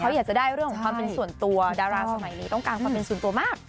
เขาอยากจะได้เรื่องของความเป็นส่วนตัวดาราสมัยนี้ต้องการความเป็นส่วนตัวมาก